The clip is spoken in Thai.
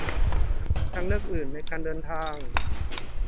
- ทางเลือกอื่นในการเดินทาง